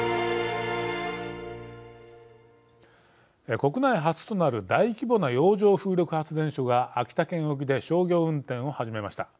国内初となる大規模な洋上風力発電所が秋田県沖で商業運転を始めました。